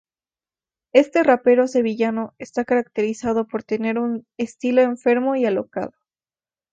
Este rapero sevillano está caracterizado por tener un estilo enfermo y alocado.